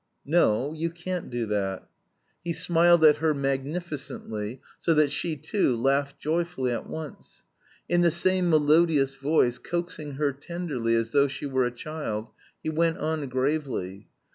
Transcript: "No, you can't do that." He smiled at her magnificently, so that she too laughed joyfully at once. In the same melodious voice, coaxing her tenderly as though she were a child, he went on gravely.